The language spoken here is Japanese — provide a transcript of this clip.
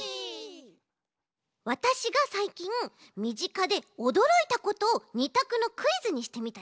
わたしがさいきんみぢかでおどろいたことを２たくのクイズにしてみたち。